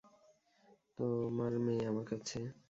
তোমার মেয়ে আমার কাছে।